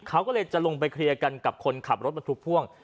เขาก็เลยจะลงไปเคลียร์กันกับคนขับรถบรรทุกพ่วง